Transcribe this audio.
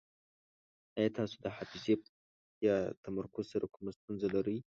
ایا تاسو د حافظې یا تمرکز سره کومه ستونزه لرئ؟